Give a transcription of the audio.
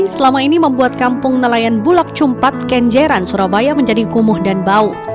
selama ini membuat kampung nelayan bulak cumpat kenjeran surabaya menjadi kumuh dan bau